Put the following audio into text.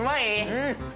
うん！